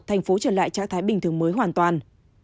thành phố trở lại trạng thái bình thường mới hoàn toàn